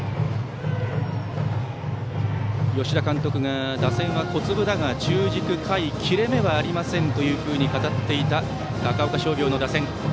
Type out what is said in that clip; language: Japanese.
吉田監督が打線は小粒だが中軸、下位切れ目はありませんと語っていた高岡商業の打線。